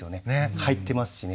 入ってますしね。